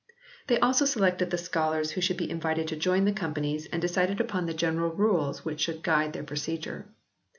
They also selected the scholars who should be invited to join the Companies and decided upon the general rules which should guide their procedure.